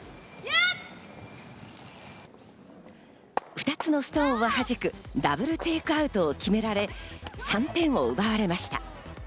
２つのストーンをはじくダブルテイクアウトを決められ、３点を奪われました。